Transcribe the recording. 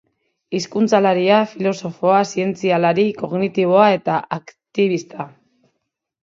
Hizkuntzalaria, filosofoa, zientzialari kognitiboa eta aktibista.